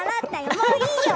もういいよ。